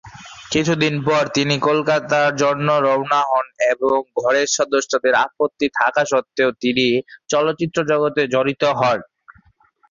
কিছুদিন পর তিনি কলকাতার জন্য রওনা হন এবং ঘরের সদস্যদের আপত্তি থাকা সত্বেও তিনি চলচ্চিত্র জগতে জড়িত হন।